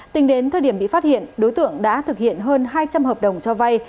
tính đến thời điểm bị phát hiện đối tượng đã thực hiện hơn hai trăm linh hợp đồng cho vay